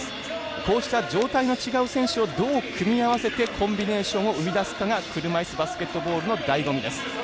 こうした状態の違う選手をどう組み合わせてコンビネーションを生み出すか車いすバスケットボールのだいご味です。